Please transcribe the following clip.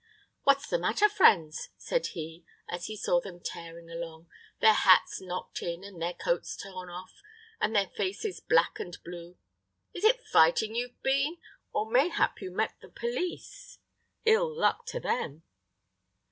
"What's the matter, friends?" said he, as he saw them tearing along, their hats knocked in, and their coats torn off, and their faces black and blue. "Is it fighting you've been? or mayhap you met the police, ill luck to them?"